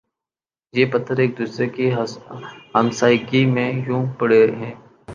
یہ پتھر ایک دوسرے کی ہمسائیگی میں یوں پڑے ہیں